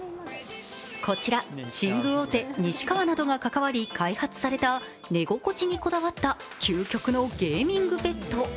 こちら寝具大手・西川などが関わり開発された寝心地にこだわった究極のゲーミングベッド。